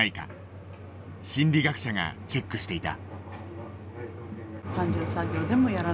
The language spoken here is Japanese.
心理学者がチェックしていた。